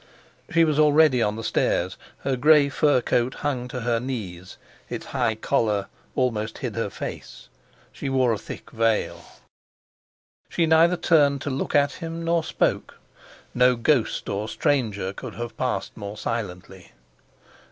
She was already on the stairs; her grey fur coat hung to her knees, its high collar almost hid her face, she wore a thick veil. She neither turned to look at him nor spoke. No ghost or stranger could have passed more silently.